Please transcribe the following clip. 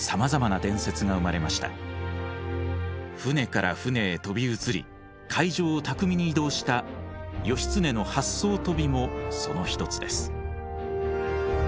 舟から舟へ飛び移り海上を巧みに移動した義経の八艘飛びもその一つです。